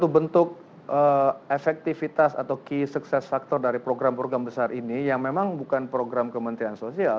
untuk efektifitas atau key success factor dari program program besar ini yang memang bukan program kementerian sosial